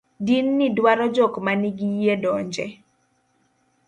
din ni dwaro jok manigi yie donje